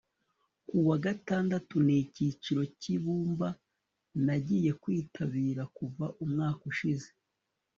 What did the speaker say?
kuwagatandatu nicyiciro cyibumba nagiye kwitabira kuva umwaka ushize